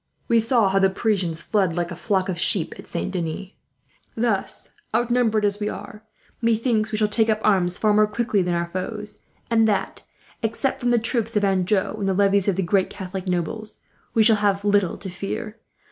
We saw how the Parisians fled like a flock of sheep, at Saint Denis. "Thus, outnumbered as we are, methinks we shall take up arms far more quickly than our foes; and that, except from the troops of Anjou, and the levies of the great Catholic nobles, we shall have little to fear.